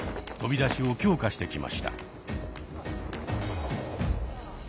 飛び出しを強化してきました。